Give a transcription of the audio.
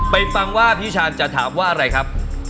ฟังว่าพี่ชาญจะถามว่าอะไรครับ